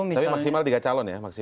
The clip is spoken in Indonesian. tapi maksimal tiga calon ya